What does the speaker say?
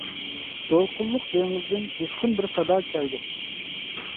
دولقۇنلۇق دېڭىزدىن جۇشقۇن بىر سادا كەلدى.